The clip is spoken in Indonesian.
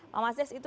pak mas des itu